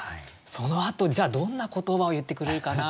そのあとじゃあどんな言葉を言ってくれるかな？